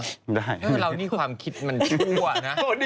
เพราะว่าเรานี่ความคิดมันชั่วนะ